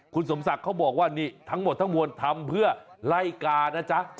คุณสมศักดิ์เขาบอกว่านี่ทั้งหมดทั้งมวลทำเพื่อไล่กานะจ๊ะ